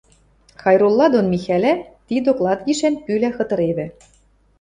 Хайрулла дон Михӓлӓ ти доклад гишӓн пӱлӓ хытыревӹ.